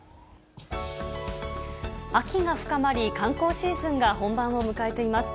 秋が深まり、観光シーズンが本番を迎えています。